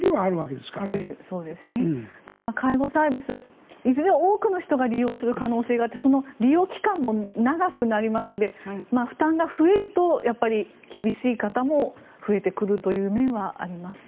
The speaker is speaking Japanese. でも、介護サービスはいずれ多くの人が利用する可能性があって利用期間も長くなるので負担が増えるとやっぱり厳しい方も増えてくる面はありますね。